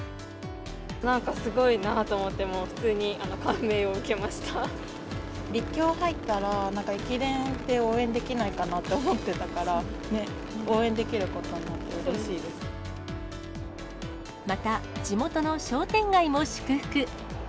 なんかすごいなと思って、立教に入ったら、なんか駅伝って応援できないかなって思ってたから、ね、応援できまた、地元の商店街も祝福。